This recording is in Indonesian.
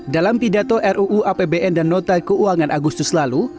dalam pidato ruu apbn dan nota keuangan agustus lalu